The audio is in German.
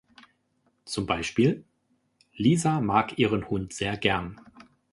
Zum Beispiel: „Lisa mag ihren Hund sehr gern.